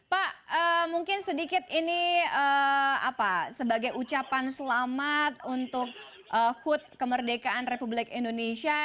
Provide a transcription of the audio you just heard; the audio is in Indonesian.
pak mungkin sedikit ini sebagai ucapan selamat untuk hut kemerdekaan republik indonesia